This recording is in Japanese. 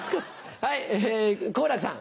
はい好楽さん。